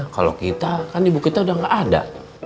kalau kita kan ibu kita udah gak ada